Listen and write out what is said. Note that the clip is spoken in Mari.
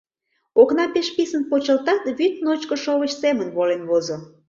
Окна пеш писын почылтат, вӱд ночко шовыч семын волен возо.